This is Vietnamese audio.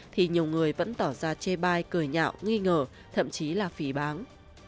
thì nhiều người vẫn tỏ ra chê bai cười nhạo nghi ngờ thậm chí là phỉ báng